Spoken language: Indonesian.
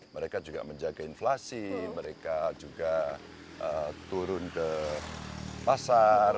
mereka juga menjaga inflasi mereka juga turun ke pasar mereka juga melihat stok perusahaan